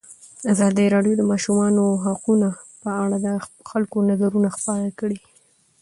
ازادي راډیو د د ماشومانو حقونه په اړه د خلکو نظرونه خپاره کړي.